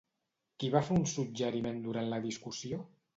Qui va fer un suggeriment durant la discussió?